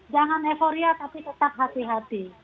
jangan euforia tapi tetap hati hati